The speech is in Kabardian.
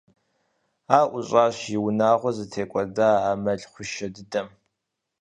Ар ӀущӀащ и унагъуэр зытекӀуэда а мэл хъушэ дыдэм.